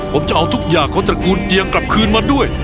ผมจะเอาทุกอย่างของตระกูลเจียงกลับคืนมาด้วย